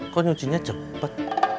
kok nyucinya cepet